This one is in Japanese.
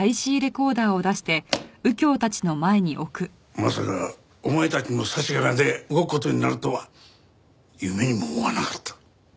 まさかお前たちの差し金で動く事になるとは夢にも思わなかった。